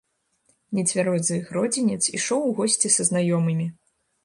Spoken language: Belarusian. Нецвярозы гродзенец ішоў у госці са знаёмымі.